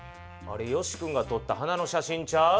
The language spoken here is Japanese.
あれよし君がとった花の写真ちゃう？